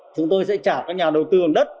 chúng tôi sẽ trả các nhà đầu tư bằng đất